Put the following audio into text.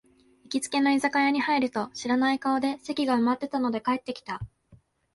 行きつけの居酒屋に入ると、知らない顔で席が埋まってたので帰ってきた